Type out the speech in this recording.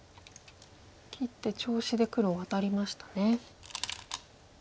切って調子で黒ワタりましたね。